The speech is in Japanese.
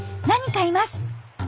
何かいます。